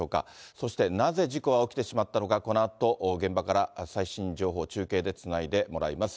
そして、なぜ事故は起きてしまったのか、このあと現場から最新情報を中継でつないでもらいます。